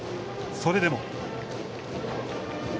それでも。